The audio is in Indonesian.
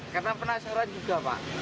karena penasaran juga pak